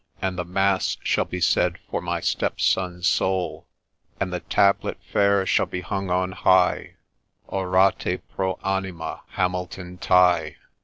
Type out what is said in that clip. And the mass shall be said for my step son's soul, And the tablet fair shall be hung on high, Orate pro animd Hamilton Tighe